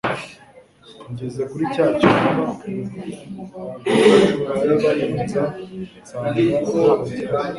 ngeze kuri cya cyumba abagabo bari barinze ,nsanga ntabagihari